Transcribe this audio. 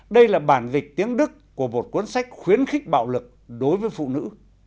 đây là bản dịch tiếng đức của một cuốn sách khuyến khích bạo lực đối với phụ nữ